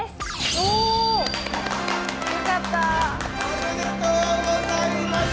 おめでとうございます！